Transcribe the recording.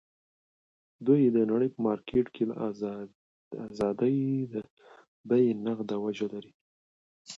دوی د نړۍ په مارکېټ کې د ازادۍ د بیې نغده وجه لري.